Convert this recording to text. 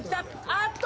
あっと！